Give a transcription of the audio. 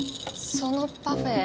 そのパフェ。